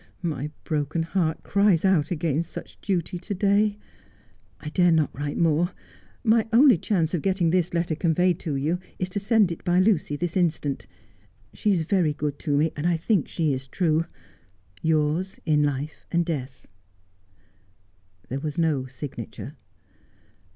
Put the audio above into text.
My broken heart cries out against such duty The Yellow Bibbon. 95 to day. I dare not write more. My only chance of getting this letter conveyed to you is to send it by Lucy this instant. She is very good to me, and I thinkshe is true. Yours in life and death.' There was no signature.